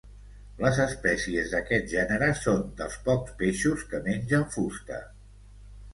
Les espècies d'aquest gènere són dels pocs peixos que mengen fusta.